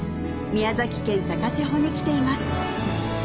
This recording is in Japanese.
宮崎県高千穂に来ています